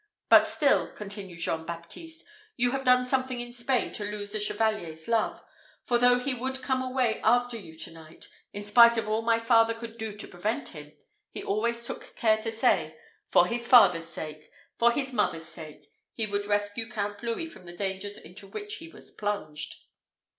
"But still," continued Jean Baptiste, "you have done something in Spain to lose the Chevalier's love; for though he would come away after you to night, in spite of all my father could do to prevent him, he always took care to say, 'for his father's sake for his mother's sake, he would rescue Count Louis from the dangers into which he was plunged.'"